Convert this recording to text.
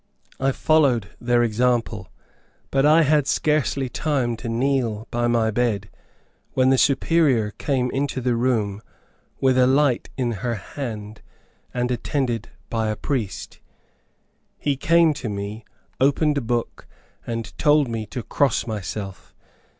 I followed their example, but I had scarcely time to kneel by my bed, when the Superior came into the room with a light in her hand, and attended by a priest. He came to me, opened a book, and told me to cross myself.